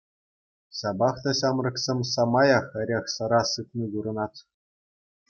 Ҫапах та ҫамрӑксем самаях эрех-сӑра сыпни курӑнать.